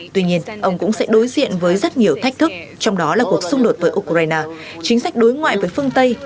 tuy nhiên ông cũng sẽ đối diện với rất nhiều thách thức trong đó là cuộc xung đột với ukraine chính sách đối ngoại với phương tây